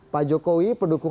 pak jokowi pendukung